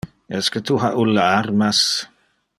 Esque tu ha ulle armas?